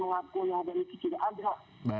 yang dari kecil adra